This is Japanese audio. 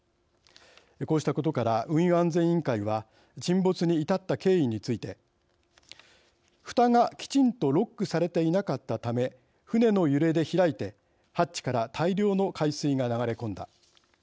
こうしたことから運輸安全委員会は沈没に至った経緯についてふたがきちんとロックされていなかったため船の揺れで開いてハッチから大量の海水が流れ込んだ。